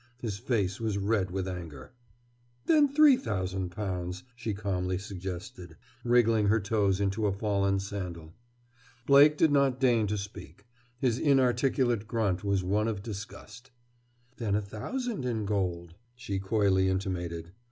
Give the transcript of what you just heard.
His face was red with anger. "Then three thousand pounds," she calmly suggested, wriggling her toes into a fallen sandal. Blake did not deign to speak. His inarticulate grunt was one of disgust. "Then a thousand, in gold," she coyly intimated.